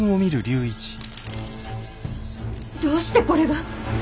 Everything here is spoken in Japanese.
どうしてこれが！？